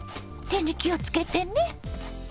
手に気をつけてね。